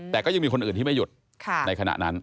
แต่ก็ยังมีคนอื่นที่ไม่หยุดในขณะนั้น